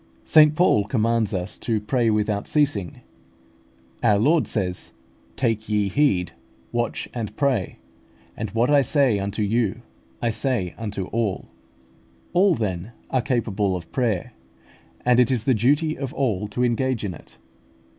St Paul commands us to "pray without ceasing" (1 Thess. v. 17). Our Lord says: "Take ye heed, watch and pray." "And what I say unto you, I say unto all" (Mark xiii. 33, 37). All, then, are capable of prayer, and it is the duty of all to engage in it.